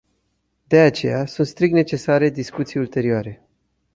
De aceea sunt strict necesare discuții ulterioare.